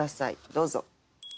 どうぞ。